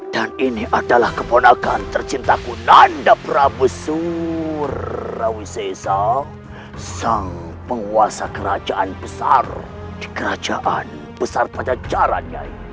dan ini adalah keponakan tercintaku nanda prabesur rawisesa sang penguasa kerajaan besar di kerajaan besar pajajaran nyai